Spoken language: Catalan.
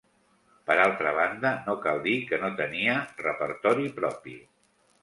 Per altra banda no cal dir que no tenia repertori propi.